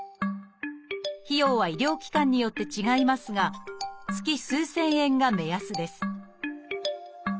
費用は医療機関によって違いますが月数千円が目安です